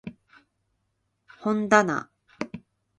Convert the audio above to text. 本だな